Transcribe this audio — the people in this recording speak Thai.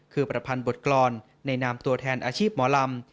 คือประพันธ์บทกรรมในนามตัวแทนอาชีพหมอลำ